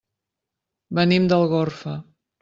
Venim d'Algorfa.